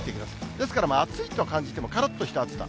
ですから、暑いと感じてもからっとした暑さ。